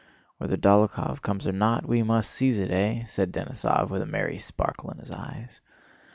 "Whether Dólokhov comes or not, we must seize it, eh?" said Denísov with a merry sparkle in his eyes.